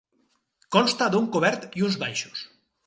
Consta d'un cobert i uns baixos.